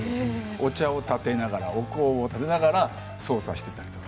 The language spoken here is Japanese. お茶をたてながらお香をたてながら捜査していたりとか。